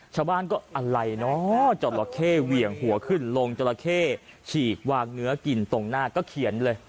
ชาวบ้านก็อะไรเนาะจราเข้เหวี่ยงหัวขึ้นลงจราเข้ฉีกวางเนื้อกินตรงหน้าก็เขียนเลย